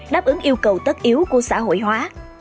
đáp ứng yêu cầu tất yếu của xã hội hóa